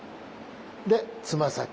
でつま先。